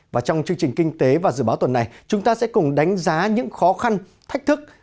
và trong chương trình kinh tế và dự báo tuần này chúng ta sẽ cùng đánh giá những khó khăn thách thức